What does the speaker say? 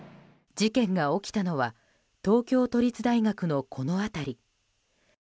試験が起きたのは東京都立大学のこの辺り。